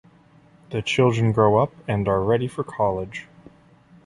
The children grow up and are ready for college.